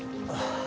ああ。